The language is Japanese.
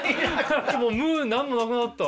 もう無何もなくなった。